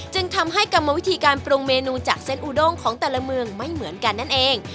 จึงทำให้กรรมวิธีการปรุงเมนูจากเส้นอูด้งของแต่ละเมืองไม่เหมือนกันนั่นเอง